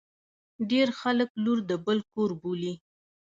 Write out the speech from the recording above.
ډیر خلګ لور د بل کور بولي.